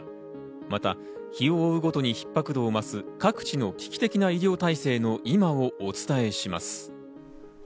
また日を追うごとに逼迫度を増す各地の危機的な医療体制の今をお伝えします。